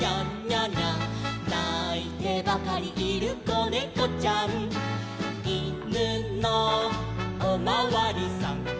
「ないてばかりいるこねこちゃん」「いぬのおまわりさん」